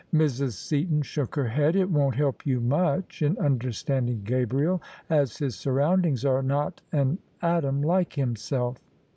Mrs. Seaton shook her head. " It won't help you much in understanding Gabriel: as his surroundings are not an atom like himself."